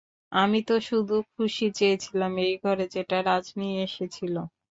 আমি তো শুধু খুশী চেয়েছিলাম এই ঘরে যেটা রাজ নিয়ে এসেছিলো।